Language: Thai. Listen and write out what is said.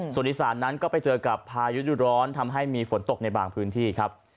ส่วนอีสานนั้นก็ไปเจอกับพายุดูร้อนทำให้มีฝนตกในบางพื้นที่ครับ